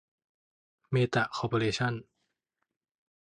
เมตะ คอร์ปอเรชั่น